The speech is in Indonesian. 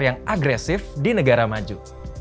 yang agresif di negara maju